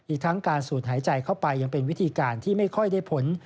อีกทั้งการสูดหายใจเข้าไปยังเป็นวิธีการที่ไม่ค่อยได้ผล